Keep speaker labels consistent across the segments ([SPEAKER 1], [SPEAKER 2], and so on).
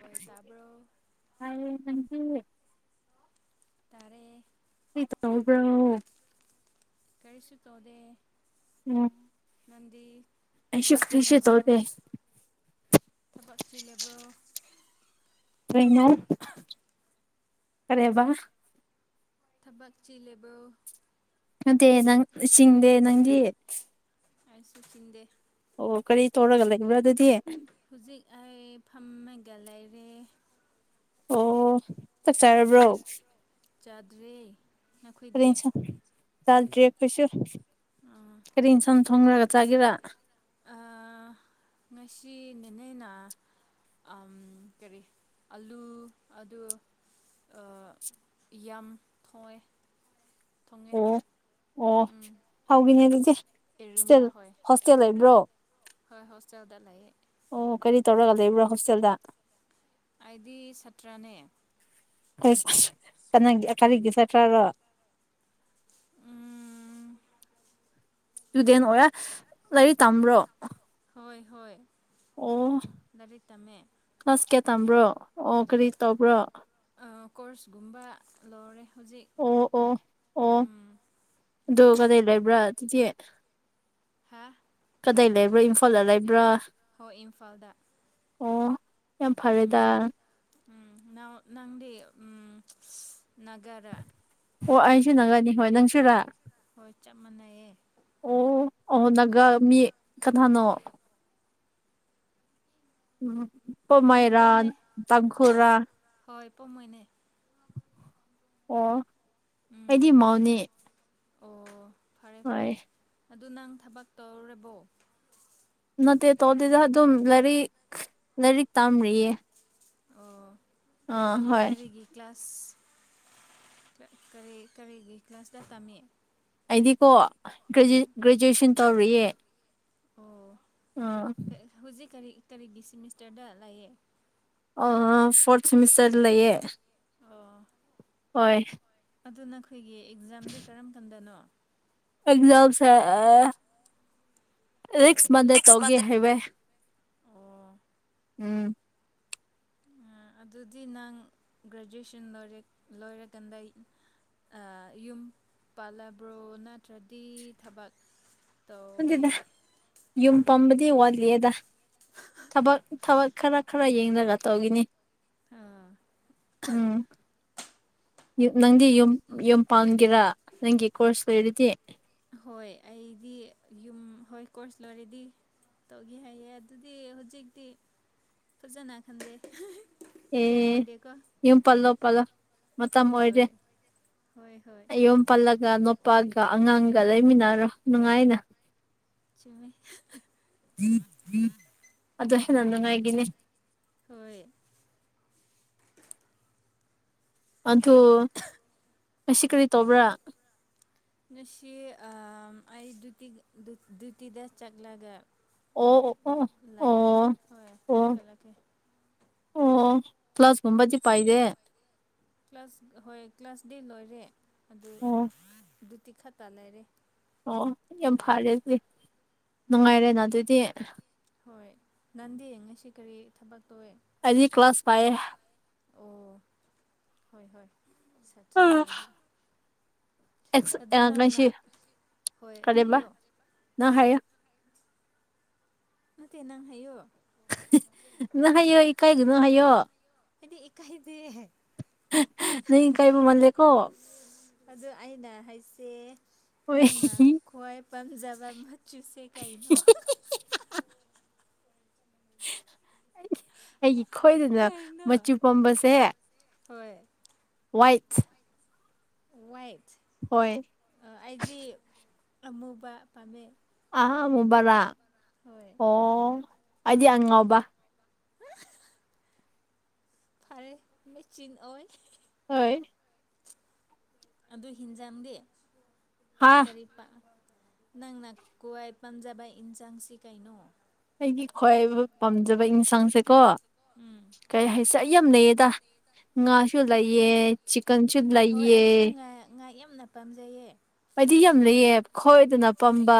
[SPEAKER 1] ꯍꯣꯏ ꯇꯥꯕ꯭ꯔꯣ ꯇꯔꯦ
[SPEAKER 2] ꯀ꯭ꯔꯤ ꯇꯧꯕ꯭ꯔꯣ
[SPEAKER 1] ꯀꯔꯤꯁꯨ ꯇꯧꯗꯦ
[SPEAKER 2] ꯎꯝ
[SPEAKER 1] ꯅꯪꯗꯤ
[SPEAKER 2] ꯑꯩꯁꯨ
[SPEAKER 1] ꯊꯕꯛ ꯆꯤ
[SPEAKER 2] ꯀꯔꯤꯁꯨ
[SPEAKER 1] ꯂꯦꯕ꯭ꯔꯣ
[SPEAKER 2] ꯇꯧꯗꯦ
[SPEAKER 1] ꯊꯕꯛ ꯆꯤ ꯂꯦꯕ꯭ꯔꯣ
[SPEAKER 2] [unintelligible] ꯀꯔꯤꯕꯥ
[SPEAKER 1] ꯊꯕꯛ ꯆꯤꯂꯦꯕꯣ
[SPEAKER 2] ꯅꯠꯇꯦ ꯅꯪ ꯆꯤꯡꯗꯦ ꯅꯪꯗꯤ
[SPEAKER 1] ꯑꯩꯁꯨ ꯆꯤꯡꯗꯦ
[SPEAKER 2] ꯑꯣ ꯀꯔꯤ ꯇꯧꯔꯒ ꯂꯩꯕ꯭ꯔꯥ ꯑꯗꯨ
[SPEAKER 1] ꯍꯧꯖꯤꯛ ꯑꯩ ꯐꯝꯃꯒ ꯂꯩꯔꯦ
[SPEAKER 2] ꯑꯣ ꯆꯥꯛ
[SPEAKER 1] ꯎꯝ
[SPEAKER 2] ꯆꯥꯔꯕ꯭ꯔꯣ
[SPEAKER 1] ꯆꯥꯗ꯭ꯔꯤ
[SPEAKER 2] ꯀꯔꯤ
[SPEAKER 1] ꯅꯈꯣꯏꯗꯤ
[SPEAKER 2] ꯏꯟꯁꯥꯡ ꯆꯥꯗ꯭ꯔꯤ ꯑꯩꯈꯣꯏꯁꯨ ꯀꯔꯤ ꯏꯟꯁꯥꯡ ꯊꯣꯡꯂꯒ ꯆꯥꯒꯦꯔꯥ
[SPEAKER 1] ꯑꯥ ꯉꯁꯤ ꯅꯦꯅꯦꯅ ꯑꯝ ꯀꯔꯤ ꯑꯂꯨ ꯑꯗꯨ ꯑꯥ ꯌꯥꯝ ꯊꯣꯡꯑꯦ
[SPEAKER 2] ꯑꯣ ꯑꯣ ꯍꯥꯎꯕꯤꯅꯤꯗꯨꯗꯤ
[SPEAKER 1] ꯏꯔꯨꯝꯕ
[SPEAKER 2] ꯍꯣꯁꯇꯦꯜ
[SPEAKER 1] ꯍꯣꯏ
[SPEAKER 2] ꯍꯣꯁꯇꯦꯜ ꯂꯩꯕ꯭ꯔꯣ
[SPEAKER 1] ꯍꯣꯏ ꯍꯣꯁꯇꯦꯜꯗ ꯂꯩꯌꯦ
[SPEAKER 2] ꯑꯣ ꯀꯔꯤ ꯇꯧꯔꯒ ꯂꯩꯕ꯭ꯔꯥ ꯍꯣꯁꯇꯦꯜꯗ
[SPEAKER 1] ꯑꯩꯗꯤ ꯁꯥꯇ꯭ꯔꯅꯦ
[SPEAKER 2] ꯑꯁ ꯑꯁ ꯀꯅꯥꯒꯤ ꯑ ꯀꯔꯤꯒꯤ ꯁꯥꯇ꯭ꯔꯔꯣ
[SPEAKER 1] ꯎꯝ
[SPEAKER 2] ꯁ꯭ꯇꯨꯗꯦꯟ ꯑꯣꯏꯔꯦ ꯂꯥꯏꯔꯤꯛ ꯇꯝꯕ꯭ꯔꯣ
[SPEAKER 1] ꯍꯣꯏ ꯍꯣꯏ
[SPEAKER 2] ꯑꯣ
[SPEAKER 1] ꯂꯥꯏꯔꯤꯛ ꯇꯝꯃꯦ
[SPEAKER 2] ꯀ꯭ꯂꯥꯁ ꯀꯌꯥ ꯇꯝꯕ꯭ꯔꯣ ꯑꯣ ꯀꯔꯤ ꯇꯧꯕ꯭ꯔꯣ
[SPEAKER 1] ꯑ ꯀꯣꯔꯁꯀꯨꯝꯕ ꯂꯣꯔꯦ
[SPEAKER 2] ꯑꯣ ꯑꯣ ꯑꯣ ꯑꯗꯨ ꯀꯗꯥꯏ ꯂꯩꯕ꯭ꯔ ꯑꯗꯨꯗꯤ
[SPEAKER 1] ꯍꯥ
[SPEAKER 2] ꯀꯗꯥꯏ ꯂꯩꯕ꯭ꯔ ꯏꯝꯐꯥꯜꯗ ꯂꯩꯕ꯭ꯔ
[SPEAKER 1] ꯍꯣ ꯏꯝꯐꯥꯜꯗ
[SPEAKER 2] ꯑꯣ ꯌꯥꯝ ꯐꯔꯦꯗ
[SPEAKER 1] ꯎꯝ ꯎꯝ ꯅꯥꯎ ꯅꯪꯗꯤ ꯎꯝ ꯅꯒꯔꯥ
[SPEAKER 2] ꯑꯣ ꯑꯩꯁꯨ ꯅꯒꯅꯤ ꯍꯣꯏ ꯅꯪꯁꯨꯔꯥ
[SPEAKER 1] ꯍꯣꯏ ꯆꯞ ꯃꯥꯟꯅꯩꯌꯦ
[SPEAKER 2] ꯑꯍꯣ ꯅꯒ ꯃꯤ ꯀꯅꯥꯅꯣ ꯎꯝ ꯏꯄꯣ ꯃꯥꯏꯔꯥꯟ
[SPEAKER 1] ꯅꯥꯒꯥꯅꯦ
[SPEAKER 2] ꯇꯥꯡꯈꯨꯟꯔꯥ
[SPEAKER 1] ꯍꯣꯏ ꯄꯣꯝꯃꯣꯏꯅꯦ
[SPEAKER 2] ꯑꯣ
[SPEAKER 1] ꯎꯝ
[SPEAKER 2] ꯑꯩꯗꯤ ꯃꯥꯎꯅꯦ
[SPEAKER 1] ꯑꯣ ꯐꯔꯦ ꯐꯔꯦ ꯑꯗꯨ ꯅꯪ ꯊꯕꯛ ꯇꯧꯔꯕꯣ
[SPEAKER 2] ꯅꯠꯇꯦ ꯇꯧꯗꯦꯗ ꯑꯗꯨꯝ ꯂꯥꯏꯔꯤꯛ ꯂꯥꯏꯔꯤꯛ ꯇꯝꯔꯤꯌꯦ
[SPEAKER 1] ꯑꯣ
[SPEAKER 2] ꯑꯥ
[SPEAKER 1] ꯑꯗꯨ
[SPEAKER 2] ꯍꯣꯏ
[SPEAKER 1] ꯀꯔꯤꯒꯤ ꯀ꯭ꯂꯥꯁ ꯀꯔꯤ ꯀꯔꯤꯒꯤ ꯀ꯭ꯂꯥꯁꯇ ꯇꯝꯃꯤ
[SPEAKER 2] ꯑꯩꯗꯤꯀꯣ
[SPEAKER 1] ꯎꯝ
[SPEAKER 2] ꯒ꯭ꯔꯦꯖꯨ ꯒ꯭ꯔꯦꯖꯨꯑꯦꯁꯟ ꯇꯧꯔꯤꯌꯦ
[SPEAKER 1] ꯑꯣ
[SPEAKER 2] ꯑꯥ
[SPEAKER 1] ꯀꯩ ꯍꯧꯖꯤꯛ ꯀꯔꯤ ꯀꯔꯤꯒꯤ ꯁꯤꯃꯤꯁꯇꯔꯗ ꯂꯩꯌꯦ
[SPEAKER 2] ꯑ ꯐꯣꯔꯠ ꯁꯦꯃꯤꯁꯇꯔꯗ ꯂꯩꯌꯦ
[SPEAKER 1] ꯑꯣ
[SPEAKER 2] ꯍꯣꯏ
[SPEAKER 1] ꯑꯗꯨ ꯅꯈꯣꯏꯒꯤ ꯑꯦꯛꯖꯥꯝꯗꯤ ꯀꯔꯝ ꯀꯥꯟꯗꯅꯣ
[SPEAKER 2] ꯑꯦꯛꯖꯥꯝꯁꯦ ꯔꯤꯛꯁ ꯃꯟꯗꯦ
[SPEAKER 1] ꯅꯦꯛꯁ
[SPEAKER 2] ꯇꯧꯒꯦ
[SPEAKER 1] ꯃꯟꯗ
[SPEAKER 2] ꯍꯥꯏꯕꯦ
[SPEAKER 1] ꯑꯣ
[SPEAKER 2] ꯎꯝ
[SPEAKER 1] ꯎꯝ ꯑꯗꯨꯗꯤ ꯅꯪ ꯒ꯭ꯔꯦꯖꯨꯑꯦꯁꯟ ꯂꯣꯏꯔ ꯂꯣꯏꯔꯀꯥꯟꯗ ꯑ ꯌꯨꯝ ꯄꯥꯜꯂꯕ꯭ꯔꯣ ꯅꯠꯇ꯭ꯔꯗꯤ ꯊꯕꯛ
[SPEAKER 2] ꯈꯪꯗꯦꯗ
[SPEAKER 1] ꯇꯧꯒꯦ
[SPEAKER 2] ꯌꯨꯝ ꯄꯝꯕꯗꯤ ꯋꯥꯠꯂꯤꯌꯦꯗ ꯊꯕꯛ ꯊꯕꯛ ꯈꯔ ꯈꯔ ꯌꯦꯡꯔꯒ ꯇꯧꯒꯤꯅꯤ
[SPEAKER 1] ꯑꯥ
[SPEAKER 2] ꯎꯝ ꯌꯨꯝ ꯅꯪꯗꯤ ꯌꯨꯝ ꯌꯨꯝ ꯄꯥꯟꯒꯦꯔꯥ ꯅꯪꯒꯤ ꯀꯣꯔꯁ ꯂꯣꯏꯔꯗꯤ
[SPEAKER 1] ꯍꯣꯏ ꯑꯩꯗꯤ ꯌꯨꯝ ꯍꯣꯏ ꯀꯣꯔꯁ ꯂꯣꯏꯔꯗꯤ ꯇꯧꯒꯦ ꯍꯥꯏꯌꯦ ꯑꯗꯨꯗꯤ ꯍꯧꯖꯤꯛꯇꯤ ꯐꯖꯅ ꯈꯪꯗꯦ [inaudible]
[SPEAKER 2] ꯑꯦ ꯌꯨꯝ ꯄꯜꯂꯣ ꯄꯥꯂꯣ ꯃꯇꯝ ꯑꯣꯏꯔꯦ
[SPEAKER 1] ꯍꯣꯏ ꯍꯣꯏ ꯍꯣꯏ
[SPEAKER 2] ꯑꯩ ꯌꯨꯝ ꯄꯜꯂꯒ ꯅꯣ ꯅꯨꯄꯥꯒ ꯑꯉꯥꯡꯒ ꯂꯩꯃꯤꯟꯅꯔꯣ ꯅꯨꯡꯉꯥꯏꯅ
[SPEAKER 1] ꯆꯨꯝꯃꯦ
[SPEAKER 2] ꯑꯗꯨ ꯍꯦꯟꯅ ꯅꯨꯡꯉꯥꯏꯒꯅꯤ
[SPEAKER 1] ꯍꯣꯏ [inaudible]
[SPEAKER 2] ꯑꯗꯨ ꯉꯁꯤ ꯀꯔꯤ ꯇꯧꯕ꯭ꯔꯥ
[SPEAKER 1] ꯉꯁꯤ ꯑ ꯑꯩ ꯗꯨꯈꯤ ꯗ꯭ꯌꯨꯇꯤꯗ ꯆꯠꯂꯒ
[SPEAKER 2] ꯑꯣ ꯑꯣ ꯑꯣ
[SPEAKER 1] ꯂꯥꯛꯑꯦ
[SPEAKER 2] ꯑꯣ
[SPEAKER 1] ꯍꯣꯏ
[SPEAKER 2] ꯑꯣ
[SPEAKER 1] ꯑꯃꯨꯛ ꯀꯠꯂꯛꯀꯦ
[SPEAKER 2] ꯑꯣ ꯀ꯭ꯂꯥꯁ ꯀꯨꯝꯝꯕꯗꯤ ꯄꯥꯏꯗꯦ
[SPEAKER 1] ꯀ꯭ꯂꯥꯁ ꯍꯣꯏ ꯀ꯭ꯂꯥꯁ ꯗꯤ ꯂꯣꯏꯔꯦ ꯑꯗꯨ
[SPEAKER 2] ꯑꯣ
[SPEAKER 1] ꯗꯨꯇꯤ ꯈꯛꯇ ꯂꯩꯔꯦ
[SPEAKER 2] ꯑꯣ ꯌꯥꯝ ꯐꯔꯦ
[SPEAKER 1] ꯑꯩꯈꯣꯏꯗꯤ
[SPEAKER 2] ꯑꯗꯨꯗꯤ
[SPEAKER 1] ꯎꯝ
[SPEAKER 2] ꯅꯨꯡꯉꯥꯏꯔꯦꯅ ꯑꯗꯨꯗꯤ
[SPEAKER 1] ꯍꯣꯏ ꯅꯪꯗꯤ ꯉꯁꯤ ꯀꯔꯤ ꯊꯕꯛ ꯇꯣꯋꯦ
[SPEAKER 2] ꯑꯩꯗꯤ ꯀ꯭ꯂꯥꯁ ꯄꯥꯏꯌꯦ
[SPEAKER 1] ꯑꯣ ꯍꯣꯏ ꯍꯣꯏ ꯁꯥꯠꯇ꯭ꯔꯦꯅꯦ
[SPEAKER 2] ꯑꯦꯁ ꯑꯦꯟ ꯀꯩꯁꯤ
[SPEAKER 1] ꯍꯣꯏ
[SPEAKER 2] ꯀꯔꯤꯕ
[SPEAKER 1] ꯍꯥꯏꯌꯣ
[SPEAKER 2] ꯅꯪ ꯍꯥꯏꯌꯣ
[SPEAKER 1] ꯅꯠꯇꯦ ꯅꯪ ꯍꯥꯏꯌꯣ
[SPEAKER 2] ꯅꯪ ꯍꯥꯏꯌꯣ ꯏꯀꯥꯏꯒꯅꯣ ꯍꯥꯏꯌꯣ
[SPEAKER 1] ꯑꯩꯗꯤ ꯏꯀꯥꯏꯗꯦ
[SPEAKER 2] ꯍ ꯍ ꯅꯪ ꯏꯀꯥꯏꯕ ꯃꯥꯂꯦꯀꯣ
[SPEAKER 1] ꯑꯗꯣ ꯑꯩꯅ ꯍꯥꯏꯁꯦ
[SPEAKER 2] ꯍꯣꯏ
[SPEAKER 1] ꯅꯪꯅ ꯈ꯭ꯋꯥꯏ ꯄꯥꯝꯖꯕ ꯃꯆꯨꯁꯦ ꯀꯩꯅꯣ ꯑ ꯍ ꯍ
[SPEAKER 2] ꯑꯩꯗꯤ ꯑꯩꯒꯤ ꯈꯣꯏꯗꯅ
[SPEAKER 1] ꯀꯩꯅꯣ
[SPEAKER 2] ꯃꯆꯨ ꯄꯥꯝꯕꯁꯦ
[SPEAKER 1] ꯍꯣꯏ
[SPEAKER 2] ꯋꯥꯏꯠ
[SPEAKER 1] ꯋꯥꯏꯠ
[SPEAKER 2] ꯍꯣꯏ
[SPEAKER 1] ꯑꯩꯗꯤ ꯑꯃꯨꯕ ꯄꯥꯝꯃꯦ
[SPEAKER 2] ꯑ ꯑꯃꯨꯕꯔꯥ
[SPEAKER 1] ꯍꯣꯏ
[SPEAKER 2] ꯑꯣ ꯑꯩꯗꯤ ꯑꯉꯥꯎꯕ
[SPEAKER 1] ꯐꯔꯦ ꯃꯦꯆꯤꯡ ꯑꯣꯏ
[SPEAKER 2] ꯍꯣꯏ
[SPEAKER 1] ꯑꯗꯨ ꯍꯤꯟꯖꯥꯡꯗꯤ
[SPEAKER 2] ꯍꯥ
[SPEAKER 1] ꯀꯔꯤ ꯄꯥ ꯅꯪꯅ ꯀ꯭ꯋꯥꯏ ꯄꯥꯝꯖꯕ ꯏꯟꯁꯥꯡꯁꯤ ꯀꯩꯅꯣ
[SPEAKER 2] ꯑꯩꯒꯤ ꯈ꯭ꯋꯥꯏ ꯄꯥꯝꯖꯕ ꯏꯟꯁꯥꯡꯁꯦꯀꯣ
[SPEAKER 1] ꯎꯝ
[SPEAKER 2] ꯀꯩ ꯍꯥꯏꯁꯦ ꯑꯩ ꯌꯥꯝ ꯂꯩꯌꯦꯗ ꯉꯥꯁꯨ ꯂꯩꯌꯦ ꯆꯤꯛꯀꯟꯁꯨ ꯂꯩꯌꯦ
[SPEAKER 1] ꯅ ꯄꯥꯝꯖꯩꯌꯦ
[SPEAKER 2] ꯗꯤ ꯌꯥꯝ ꯂꯩꯌꯦ ꯈꯣꯏꯗꯅ ꯄꯥꯝꯕ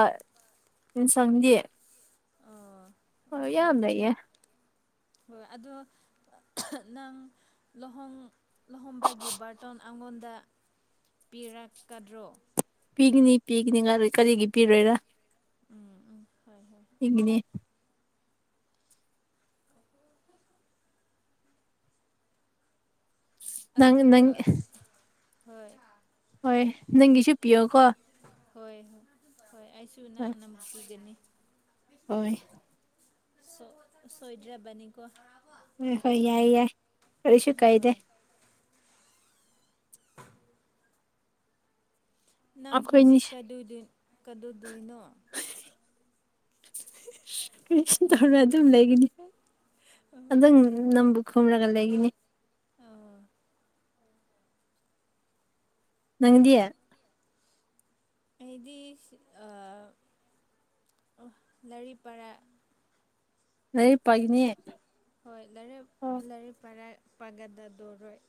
[SPEAKER 2] ꯌꯦꯟꯁꯥꯡꯗꯤ
[SPEAKER 1] ꯑꯣ ꯑꯣ ꯐꯔꯦ ꯐꯔꯦ ꯍꯣꯏ ꯑꯗꯣ ꯑꯍꯨ ꯅꯪ ꯂꯨꯍꯣꯡ ꯂꯨꯍꯣꯡꯕꯒꯤ ꯕꯥꯔꯇꯣꯟ ꯑꯩꯉꯣꯟꯗ ꯄꯤꯔꯛꯀꯗ꯭ꯔꯣ
[SPEAKER 2] ꯄꯤꯒꯅꯤ ꯄꯤꯒꯅꯤ ꯉꯔꯣꯢ ꯀꯔꯤꯒꯤ ꯄꯤꯔꯣꯏꯔ
[SPEAKER 1] ꯎꯝ ꯎꯝ ꯍꯣꯏ ꯍꯣꯏ
[SPEAKER 2] ꯄꯤꯒꯅꯦ ꯅꯪ
[SPEAKER 1] ꯑꯗꯨ
[SPEAKER 2] ꯅꯪ
[SPEAKER 1] ꯍꯣꯏ
[SPEAKER 2] ꯍꯣꯏ ꯅꯪꯒꯤꯁꯨ ꯄꯤꯌꯣꯀꯣ
[SPEAKER 1] ꯍꯣꯏ ꯍꯣꯏ ꯍꯣꯏ ꯑꯩꯁꯨ ꯅꯪ
[SPEAKER 2] ꯍꯣꯏ
[SPEAKER 1] ꯅꯃꯛ ꯄꯤꯒꯅꯤ
[SPEAKER 2] ꯍꯣꯏ
[SPEAKER 1] ꯁꯣ ꯁꯣꯏꯗ꯭ꯔꯕꯅꯤꯀꯣ
[SPEAKER 2] ꯍꯣꯏ ꯍꯣꯏ ꯌꯥꯏ ꯌꯥꯏ ꯀꯔꯤꯁꯨꯨ ꯀꯥꯏꯗꯦ
[SPEAKER 1] ꯍꯣꯏ ꯅꯪ
[SPEAKER 2] ꯑꯩꯈꯣꯏꯅꯤ
[SPEAKER 1] ꯍꯧꯖꯤꯛ ꯀꯗꯨꯏꯗꯣ ꯀꯗꯨꯏꯗꯣꯏꯅꯣ
[SPEAKER 2] ꯀ꯭ꯔꯤꯁꯨ ꯇꯧꯔꯣꯏ ꯑꯗꯨꯝ ꯂꯩꯒꯅꯤ ꯑꯗꯨ ꯅꯪꯕꯨ ꯈꯪ ꯗ ꯂꯩꯒꯅꯤ
[SPEAKER 1] ꯑ
[SPEAKER 2] ꯅꯪꯗꯤ
[SPEAKER 1] ꯑꯩꯗꯤ ꯑ ꯂꯥꯏꯔꯤꯛ ꯄꯔꯥ
[SPEAKER 2] ꯂꯥꯏꯔꯤꯛ ꯄꯥꯏꯒꯅꯦ
[SPEAKER 1] ꯍꯣꯏ ꯂꯥꯏꯔꯤꯛ ꯂꯥꯏꯔꯤꯛ ꯄꯥꯔ ꯄꯥꯒꯗꯗꯣꯢꯔꯣꯏ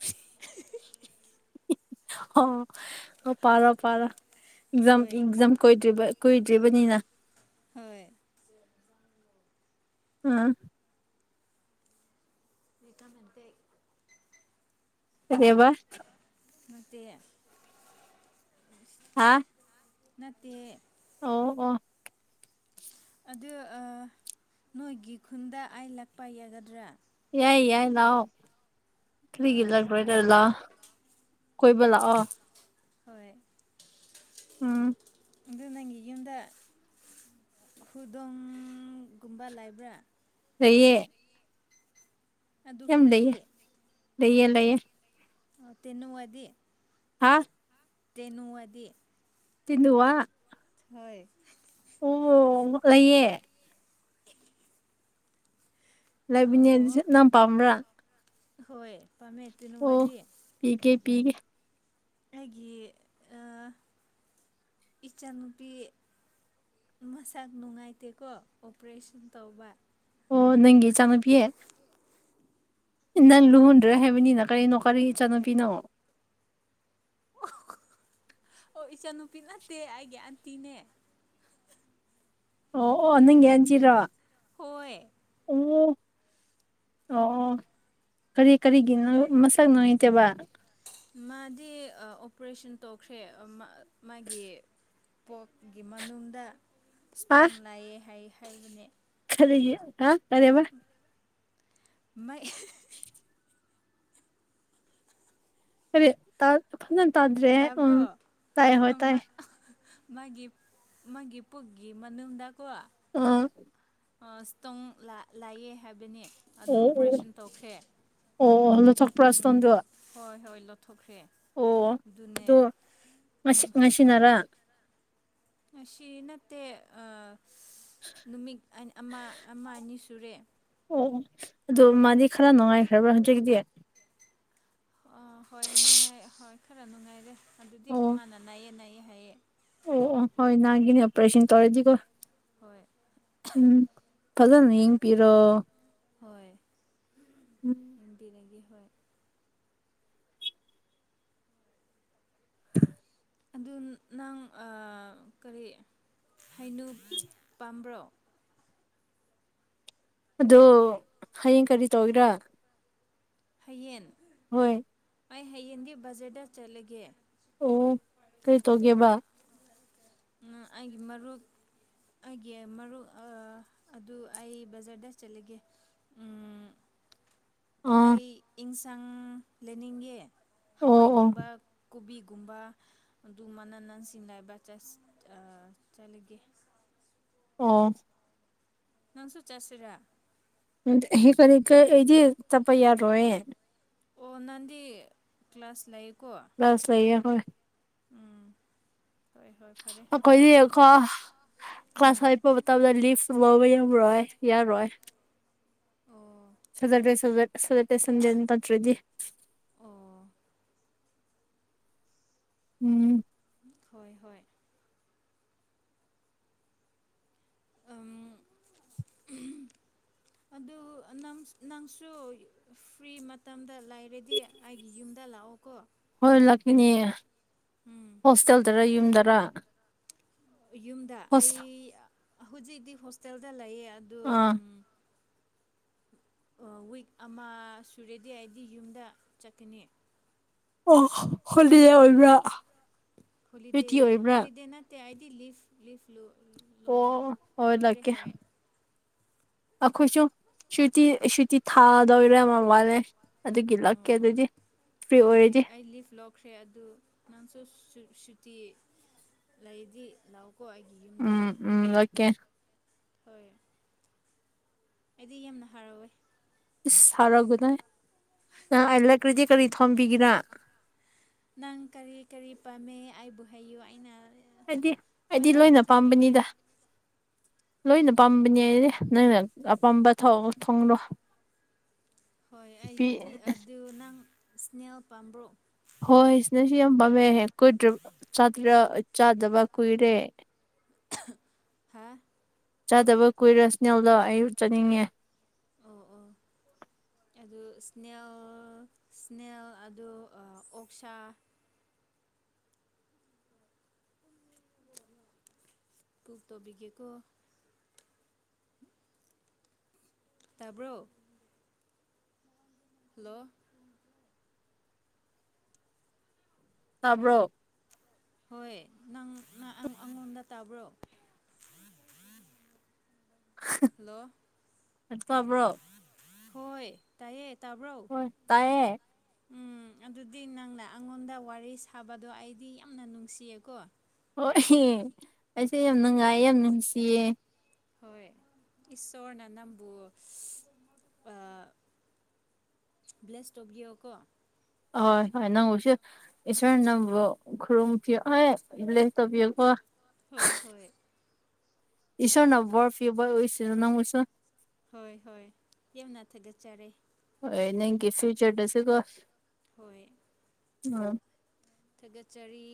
[SPEAKER 2] ꯑꯣ ꯄꯥꯔꯣ ꯄꯥꯔꯣ ꯑꯦꯛꯖꯥꯝ
[SPEAKER 1] ꯍꯣꯏ
[SPEAKER 2] ꯑꯦꯛꯖꯥꯝ ꯀꯣꯢꯗ꯭ꯔꯤꯕ ꯀꯨꯏꯗ꯭ꯔꯤꯕꯅꯤꯅ
[SPEAKER 1] ꯍꯣꯏ
[SPEAKER 2] ꯎꯝ
[SPEAKER 1] ꯏꯇꯝ ꯑꯦꯝꯄꯦꯛ
[SPEAKER 2] ꯀꯩꯅꯦꯕ
[SPEAKER 1] ꯅꯠꯇꯦ
[SPEAKER 2] ꯍꯥꯥ
[SPEAKER 1] ꯅꯠꯇꯦ
[SPEAKER 2] ꯑꯣ ꯑꯣ
[SPEAKER 1] ꯑꯗꯨ ꯑ ꯅꯣꯏꯒꯤ ꯈꯨꯟꯗ ꯑꯥꯏ ꯂꯥꯛꯄ ꯌꯥꯒꯗ꯭ꯔꯥ
[SPEAKER 2] ꯌꯥꯏ ꯌꯥꯏ ꯂꯛꯑꯣ ꯊ꯭ꯔꯤꯒꯤ
[SPEAKER 1] ꯑꯣ
[SPEAKER 2] ꯂꯔꯗꯔꯂ ꯀꯣꯏꯕ ꯂꯛꯑꯣ
[SPEAKER 1] ꯍꯣꯏ
[SPEAKER 2] ꯎꯝ
[SPEAKER 1] ꯑꯗꯨ ꯅꯪꯒꯤ ꯌꯨꯝꯗ ꯈꯨꯗꯣꯡꯒꯨꯝꯕ ꯂꯩꯕ꯭ꯔꯥ
[SPEAKER 2] ꯂꯩꯌꯦ
[SPEAKER 1] ꯑꯗꯨ
[SPEAKER 2] ꯌꯥꯝ ꯂꯩꯌꯦ
[SPEAKER 1] ꯍꯨꯏꯗꯤ
[SPEAKER 2] ꯂꯩꯌꯦ ꯂꯩꯌꯦ
[SPEAKER 1] ꯇꯦꯅꯋꯥꯗꯤ
[SPEAKER 2] ꯍꯥ
[SPEAKER 1] ꯇꯦꯟꯋꯥꯗꯤ
[SPEAKER 2] ꯇꯦꯅꯋꯥ
[SPEAKER 1] ꯍꯣꯏ
[SPEAKER 2] ꯑꯣ ꯂꯩꯌꯦ ꯂꯩꯕꯤꯅꯦ ꯑꯗꯨꯁꯨ
[SPEAKER 1] ꯑꯣ
[SPEAKER 2] ꯅꯪ ꯄꯥꯝꯕ꯭ꯔꯥ
[SPEAKER 1] ꯍꯣꯏ ꯄꯥꯝꯃꯦ
[SPEAKER 2] ꯑꯣ
[SPEAKER 1] ꯇꯨꯅꯋꯥꯗꯤ
[SPEAKER 2] ꯄꯤꯒꯦ ꯄꯤꯒꯦ
[SPEAKER 1] ꯑꯩꯒꯤ ꯏꯆꯟꯅꯨꯄꯤ ꯃꯁꯛ ꯅꯨꯡꯉꯥꯏꯇꯦꯀꯣ ꯑꯣꯄꯔꯦꯁꯟ ꯇꯧꯕ
[SPEAKER 2] ꯑꯣ ꯅꯪꯒꯤ ꯏꯆꯥꯅꯨꯄꯤ ꯅꯪ ꯂꯨꯍꯨꯗ꯭ꯔ ꯍꯥꯏꯕꯅꯤꯅ ꯀꯔꯤꯅꯣ ꯀꯔꯤ ꯏꯆꯥꯅꯨꯄꯤꯅꯣ
[SPEAKER 1] ꯑꯣ ꯑꯣ ꯑꯣ ꯏꯆꯥꯅꯨꯄꯤ ꯅꯠꯇꯦ ꯑꯩꯒꯤ ꯑꯟꯇꯤꯅꯦ
[SPEAKER 2] ꯑꯣ ꯑꯣ ꯅꯪꯒꯤ ꯑꯟꯇꯤꯔꯣ
[SPEAKER 1] ꯍꯣꯏ
[SPEAKER 2] ꯑꯣ
[SPEAKER 1] ꯎꯝ
[SPEAKER 2] ꯑꯣ ꯀꯔꯤ ꯀꯔꯤꯒꯤꯅꯣ ꯃꯁꯛ ꯅꯨꯡꯉꯥꯏꯇꯕ
[SPEAKER 1] ꯃꯥꯗꯤ ꯑꯣꯄꯔꯦꯁꯟ ꯇꯧꯈ꯭ꯔꯦ ꯃꯥꯒꯤ ꯄꯣꯠꯀꯤ ꯃꯅꯨꯡꯗ
[SPEAKER 2] ꯍꯥ
[SPEAKER 1] ꯏꯁꯇꯣꯟ ꯂꯥꯛꯑꯦ ꯍꯥꯏꯕꯅꯦ
[SPEAKER 2] ꯈꯔꯤꯒꯤ ꯍꯥ ꯀꯔꯤꯕ
[SPEAKER 1] ꯃꯩ
[SPEAKER 2] [inaudible] ꯍꯥꯏ ꯐꯖꯅ ꯇꯥꯗ꯭ꯔꯦ ꯎꯝ
[SPEAKER 1] ꯇꯥꯕ꯭ꯔꯣ
[SPEAKER 2] ꯇꯥꯏ ꯍꯣꯏ ꯇꯥꯏ
[SPEAKER 1] ꯃꯥꯒꯤ ꯃꯥꯒꯤ ꯄꯨꯨꯒꯒꯤ ꯃꯅꯨꯡꯗꯀꯣ
[SPEAKER 2] ꯎꯝ
[SPEAKER 1] ꯏꯁꯇꯣꯡ ꯂꯥꯛꯌꯦ ꯍꯥꯏꯕꯅꯦ ꯑꯗꯨ
[SPEAKER 2] ꯑꯣ ꯑꯣ
[SPEAKER 1] ꯑꯣꯄꯔꯦꯁꯟ ꯇꯧꯈ꯭ꯔꯦ
[SPEAKER 2] ꯑꯣ ꯂꯧꯊꯣꯛꯄ꯭ꯔꯥ
[SPEAKER 1] ꯎꯝ
[SPEAKER 2] ꯏꯁꯇꯣꯟꯗꯣ
[SPEAKER 1] ꯍꯣꯏ ꯍꯣꯏ ꯂꯧꯊꯣꯛꯈ꯭ꯔꯦ
[SPEAKER 2] ꯑꯣ
[SPEAKER 1] ꯑꯗꯨꯅꯦ
[SPEAKER 2] ꯑꯗꯣ ꯉꯁꯤ ꯉꯁꯤꯅꯔꯥ
[SPEAKER 1] ꯑꯁꯤ ꯅꯠꯇꯦ ꯅꯨꯃꯤꯠ ꯑꯥ ꯑꯃ ꯑꯃ ꯑꯅꯤ ꯁꯨ ꯇꯨꯔꯦ
[SPEAKER 2] ꯑꯗꯨ ꯃꯥꯗꯤ ꯈꯔ ꯅꯨꯡꯉꯥꯏꯈ꯭ꯔꯕ꯭ꯔꯥ ꯍꯧꯖꯤꯛꯇꯤ
[SPEAKER 1] ꯑꯥ ꯍꯣꯏ ꯅꯨꯡꯉꯥꯏ ꯍꯣꯏ ꯈꯔ ꯅꯨꯡꯉꯥꯏꯔꯦ ꯑꯗꯨꯗꯤ
[SPEAKER 2] ꯑꯣ
[SPEAKER 1] ꯃꯥꯅ ꯅꯥꯏꯌꯦ ꯅꯥꯏꯌꯦ ꯍꯥꯏꯌꯦ
[SPEAKER 2] ꯑꯣ ꯑꯣ ꯍꯣꯏ ꯅꯥꯒꯤꯅꯤ ꯑꯣꯄꯔꯦꯁꯟ ꯇꯧꯔꯗꯤꯀꯣ
[SPEAKER 1] ꯍꯣꯏ
[SPEAKER 2] ꯎꯝ ꯐꯖꯅ ꯌꯦꯡ ꯄꯤꯔꯣ
[SPEAKER 1] ꯍꯣꯏ ꯅꯨꯡꯇꯤꯅꯤꯒꯤ ꯍꯣꯏ ꯑꯗꯨ ꯅꯪ ꯑ ꯀꯔꯤ ꯍꯥꯏꯩꯅꯨ ꯄꯥꯝꯕ꯭ꯔꯣ
[SPEAKER 2] ꯑꯗꯣ ꯍꯌꯦꯡ ꯀꯔꯤ ꯇꯧꯒꯦꯔꯥ
[SPEAKER 1] ꯍꯌꯦꯟ
[SPEAKER 2] ꯍꯣꯏ
[SPEAKER 1] ꯑꯩ ꯍꯌꯦꯡꯗꯤ ꯕꯖꯔꯗ ꯆꯠꯂꯒꯦ
[SPEAKER 2] ꯑꯣ ꯀꯩ ꯇꯧꯒꯦꯕ
[SPEAKER 1] ꯑꯩꯒꯤ ꯃꯔꯨꯞ ꯑꯩꯒꯤ ꯃꯔꯨꯞ ꯑ ꯑꯗꯨ ꯑꯩ ꯕꯖꯥꯔꯗ ꯆꯠꯂꯒꯦ
[SPEAKER 2] [inaudible] ꯑꯥ
[SPEAKER 1] ꯑꯩ ꯏꯟꯁꯥꯡ ꯂꯩꯅꯤꯡꯉꯦ
[SPEAKER 2] ꯑꯣ ꯑꯣ
[SPEAKER 1] ꯍꯋꯥꯏꯒꯨꯝꯕ ꯀꯣꯕꯤ ꯨꯀꯨꯝꯕ ꯑꯗꯨ ꯃꯅ ꯅꯟ ꯁꯤꯡ ꯆꯠ ꯆꯠꯂꯤꯒꯦ
[SPEAKER 2] ꯑꯣ
[SPEAKER 1] ꯅꯪꯁꯨ ꯆꯠꯁꯤꯔ
[SPEAKER 2] ꯐꯅꯤ ꯀꯔꯤ ꯀꯔꯤꯗꯤ ꯑꯩꯗꯤ ꯆꯠꯄ ꯌꯥꯔꯣꯏ
[SPEAKER 1] ꯑꯣꯅꯗꯤ ꯀ꯭ꯂꯥꯁ ꯂꯩꯥꯏ
[SPEAKER 2] ꯀꯜꯂꯁ ꯂꯩꯌꯦ ꯍꯣꯏ
[SPEAKER 1] ꯎꯝ ꯍꯣꯏ ꯍꯣꯏ ꯐꯔꯦ
[SPEAKER 2] ꯀ ꯀ ꯀ꯭ꯂꯥꯁ
[SPEAKER 1] ꯎꯝ
[SPEAKER 2] ꯐꯥꯏꯚ ꯄꯇꯥꯕꯗ ꯂꯤꯚ ꯂꯧꯋꯦ ꯔꯣꯏ ꯌꯔꯣꯏ
[SPEAKER 1] ꯑꯣ
[SPEAKER 2] [unintelligible] [inaudible]
[SPEAKER 1] ꯑꯣ
[SPEAKER 2] ꯎꯝ
[SPEAKER 1] ꯍꯣꯏ ꯍꯣꯏ
[SPEAKER 2] [inaudible]
[SPEAKER 1] ꯑꯗꯨ ꯅꯪꯁꯨ ꯅꯝꯁꯨ ꯐ꯭ꯔꯤ ꯃꯇꯝꯗ ꯂꯥꯏꯔꯗꯤ ꯑꯩꯒꯤ ꯌꯨꯝꯗ ꯂꯥꯛꯑꯣꯀꯣ
[SPEAKER 2] ꯏꯅꯦ
[SPEAKER 1] ꯎꯝ
[SPEAKER 2] ꯍꯣꯁꯇꯦꯜꯗꯔ ꯌꯨꯝꯗꯔ
[SPEAKER 1] ꯌꯨꯝꯗ ꯑꯩ
[SPEAKER 2] ꯍꯣꯁ
[SPEAKER 1] ꯍꯧꯖꯤꯛꯇꯤ ꯍꯣꯁꯇꯦꯜꯗ ꯂꯩꯌꯦ ꯑꯗꯨ
[SPEAKER 2] ꯑꯥ
[SPEAKER 1] ꯋꯤꯛ ꯑꯃ ꯁꯨꯔꯦꯗꯤ ꯑꯩꯗꯤ ꯌꯨꯝꯗ ꯆꯠꯀꯅꯤ
[SPEAKER 2] ꯑꯣ ꯍꯣꯜꯂꯤ ꯑꯣꯏꯕ꯭ꯔꯥ
[SPEAKER 1] ꯍꯣꯂꯤꯗꯦ
[SPEAKER 2] ꯁꯨꯇꯤ ꯑꯣꯏꯕ꯭ꯔꯥ
[SPEAKER 1] ꯍꯣꯂꯤꯗꯦ ꯅꯠꯇꯦ ꯑꯗꯤ ꯂꯤꯐ ꯂꯤꯐ ꯂꯨ
[SPEAKER 2] ꯑꯣ ꯍꯣꯂꯀꯦ ꯑꯩꯈꯣꯏꯁꯨ ꯁꯨꯇꯤ ꯁꯨꯇꯤ ꯊꯥꯗꯧꯔꯦ ꯃ ꯋꯂꯦ
[SPEAKER 1] ꯑꯣ ꯍꯣꯏ ꯑꯩ
[SPEAKER 2] ꯑꯣꯏꯔꯗꯤ
[SPEAKER 1] ꯑꯩ ꯂꯤꯐ ꯂꯧꯈ꯭ꯔꯦ ꯑꯗꯨ ꯅꯪꯁꯨ ꯇꯤ ꯂꯩꯗꯤ ꯂꯥꯎ
[SPEAKER 2] ꯎꯝ ꯎꯝ ꯂꯛꯀꯦ
[SPEAKER 1] ꯍꯣꯏ ꯑꯩꯗꯤ ꯌꯥꯝꯅ ꯍꯔꯥꯎꯋꯦ
[SPEAKER 2] ꯍꯔꯎꯒꯗꯥꯏ ꯅꯪ ꯑꯩ ꯂꯛꯔꯗꯤ ꯀꯔꯤ ꯊꯣꯝꯕꯤꯒꯦꯔ
[SPEAKER 1] ꯅꯪ ꯀꯔꯤ ꯀꯔꯤ ꯄꯥꯝꯃꯦ ꯑꯩꯕꯨ ꯍꯥꯏꯌꯨ ꯑꯩꯅ
[SPEAKER 2] ꯍꯥꯏꯗꯤ ꯑꯩꯗꯤ
[SPEAKER 1] ꯃꯌꯥꯝ
[SPEAKER 2] ꯂꯣꯏꯅ
[SPEAKER 1] ꯊꯝꯕꯤꯒꯦ
[SPEAKER 2] ꯄꯥꯝꯕꯅꯤꯗ ꯂꯣꯏꯅ ꯄꯥꯝꯕꯅꯦ ꯅꯪꯅ ꯑꯄꯥꯝꯕ ꯊꯣꯡꯂꯣ
[SPEAKER 1] ꯍꯣꯏ ꯑꯩꯗꯤ ꯑꯗꯨ ꯅꯪ ꯏꯁꯅꯦꯜ ꯄꯥꯝꯕ꯭ꯔꯣ
[SPEAKER 2] ꯍꯣꯏ ꯏꯁꯅꯦꯜꯁꯨ ꯌꯥꯝ ꯄꯥꯝꯃꯦ ꯆꯥꯗꯕ ꯀꯨꯏꯔꯦ
[SPEAKER 1] ꯍꯥ
[SPEAKER 2] ꯆꯥꯗꯕ ꯀꯨꯏꯔꯦ ꯏꯁꯅꯦꯜꯗꯣ ꯑꯩ ꯌꯨꯝ ꯆꯠꯅꯤꯡꯉꯦ
[SPEAKER 1] ꯑꯣ ꯑꯣ ꯑꯗꯨ ꯏꯁꯅꯦꯜ ꯏꯁꯅꯦꯜ ꯑꯗꯨ ꯑꯣꯛꯁꯥ [unintelligible] ꯇꯥꯕ꯭ꯔꯣ ꯍꯜꯂꯣ
[SPEAKER 2] ꯇꯥꯕ꯭ꯔꯣ
[SPEAKER 1] ꯍꯣꯏ ꯅꯪ ꯅ ꯑꯩ ꯑꯩꯉꯣꯟꯗ ꯇꯥꯕ꯭ꯔꯣ ꯍꯜꯂꯣ
[SPEAKER 2] ꯑ ꯇꯥꯕ꯭ꯔꯣ
[SPEAKER 1] ꯍꯣꯏ ꯇꯥꯏꯌꯦ ꯇꯥꯕ꯭ꯔꯣ
[SPEAKER 2] ꯍꯣꯏ ꯇꯥꯏꯌꯦꯦ
[SPEAKER 1] ꯎꯝ ꯑꯗꯨꯗꯤ ꯅꯪꯅ ꯑꯩꯉꯣꯟꯗ ꯋꯥꯔꯤ ꯁꯥꯕꯗꯣ ꯑꯩꯗꯤ ꯌꯥꯝꯅ ꯅꯨꯡꯁꯤꯌꯦꯀꯣ
[SPEAKER 2] ꯍꯣꯏ ꯑꯩꯁꯦ ꯌꯥꯝ ꯅꯨꯡꯉꯥꯏꯌꯦ ꯌꯥꯝ ꯅꯨꯡꯁꯤꯌꯦ
[SPEAKER 1] ꯍꯣꯏ ꯏꯁꯣꯔꯅ ꯅꯪꯕꯨ ꯑ ꯕ꯭ꯂꯦꯁ ꯇꯣꯕꯤꯌꯣ ꯀꯣ
[SPEAKER 2] ꯍꯣꯏ ꯍꯣꯏ ꯅꯪꯕꯨꯁꯨ ꯏꯁꯣꯔꯅ ꯅꯪꯕꯨ ꯈꯨꯔꯨꯝꯕꯤꯌꯣ ꯑꯩ ꯕ꯭ꯂꯦꯁ ꯇꯧꯕꯤꯌꯣꯀꯣ
[SPEAKER 1] ꯍꯣꯏ ꯍꯣꯏ
[SPEAKER 2] [inaudible] ꯏꯁꯣꯔꯅ ꯕꯣꯔ ꯄꯤꯕ ꯑꯣꯢꯁꯅꯨ ꯅꯪꯕꯨꯁꯨ
[SPEAKER 1] ꯍꯣꯏ ꯍꯣꯏ ꯀꯦꯝ ꯅꯠꯇꯦꯗ ꯆꯔꯦ
[SPEAKER 2] ꯅꯪꯀꯤ ꯐꯤꯎꯆꯔꯗꯁꯨꯀꯣ
[SPEAKER 1] ꯍꯣꯏ
[SPEAKER 2] [inaudible]
[SPEAKER 1] ꯊꯥꯒꯠꯆꯔꯤ